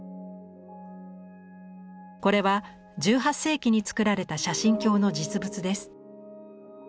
これは１８世紀に作られた写真鏡の実物です。